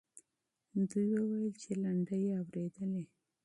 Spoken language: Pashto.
دوی وویل چې لنډۍ یې اورېدلې.